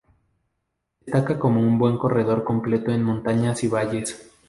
Destaca como un buen corredor completo en montañas y valles.